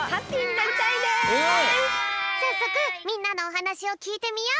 さっそくみんなのおはなしをきいてみよう！